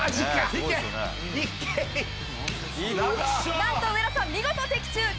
なんと上田さん、見事的中。